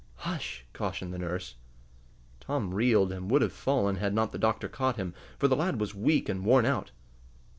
"Hush!" cautioned the nurse. Tom reeled, and would have fallen had not the doctor caught him, for the lad was weak and worn out.